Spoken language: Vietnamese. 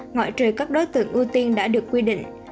ngoại trừ các đối tượng ưu tiên đã được quy định